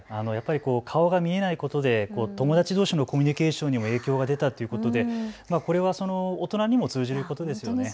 顔が見えないことで友達どうしのコミュニケーションにも影響が出たということでこれは大人にも通じることですね。